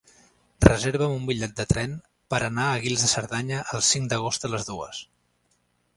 Reserva'm un bitllet de tren per anar a Guils de Cerdanya el cinc d'agost a les dues.